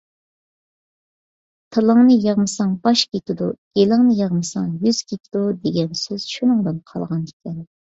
«تىلىڭنى يىغمىساڭ، باش كېتىدۇ. گېلىڭنى يىغمىساڭ، يۈز كېتىدۇ» دېگەن سۆز شۇنىڭدىن قالغان ئىكەن.